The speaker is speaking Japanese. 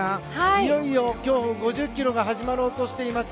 いよいよ競歩５０ｋｍが始まろうとしています。